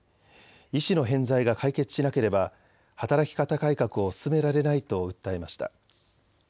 医師の偏在が解決しなければ働き方改革を進められないと訴えました。